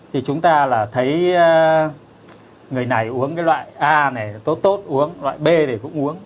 thì chúng ta là thấy người này uống cái loại a này tốt tốt uống loại b này cũng uống